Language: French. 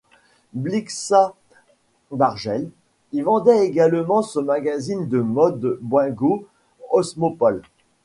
Blixa Bargeld y vendait également son magazine de mode Boingo Osmopol.